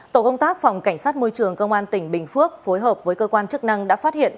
tổ công tác phòng cảnh sát môi trường công an tỉnh bình phước phối hợp với cơ quan chức năng đã phát hiện